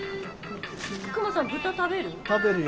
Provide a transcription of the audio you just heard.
クマさん豚食べる？